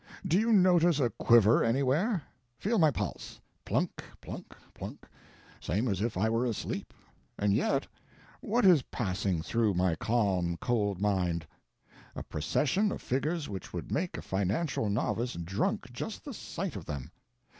do you notice a quiver anywhere? Feel my pulse: plunk plunk plunk—same as if I were asleep. And yet, what is passing through my calm cold mind? A procession of figures which would make a financial novice drunk just the sight of them.